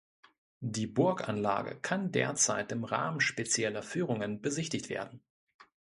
Die Burganlage kann derzeit im Rahmen spezieller Führungen besichtigt werden.